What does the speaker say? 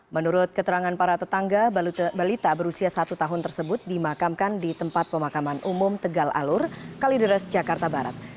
menurut keterangan para tetangga balita berusia satu tahun tersebut dimakamkan di tempat pemakaman umum tegal alur kalideres jakarta barat